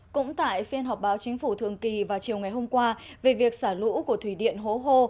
cũng tại phiên họp báo chính phủ thường kỳ vào chiều ngày hôm qua về việc xả lũ của thủy điện hố hô